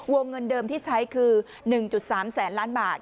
วงเงินเดิมที่ใช้คือ๑๓แสนล้านบาท